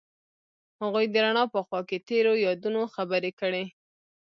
هغوی د رڼا په خوا کې تیرو یادونو خبرې کړې.